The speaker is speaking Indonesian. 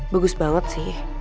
bagus banget sih